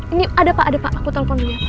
ini ada pak aku telepon dulu ya pak